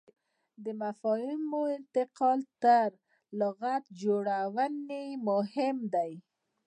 د مفاهیمو انتقال تر لغت جوړونې مهم دی.